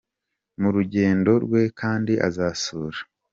Mu rugendo rwe kandi azasura.